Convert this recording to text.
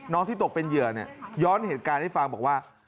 ที่ตกเป็นเหยื่อเนี่ยย้อนเหตุการณ์ให้ฟังบอกว่า